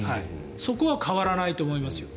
そこは変わらないと思いますよ。